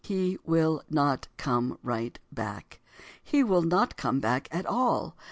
He will not come right back. He will not come back at all.